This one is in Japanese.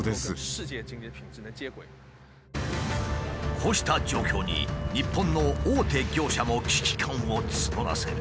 こうした状況に日本の大手業者も危機感を募らせる。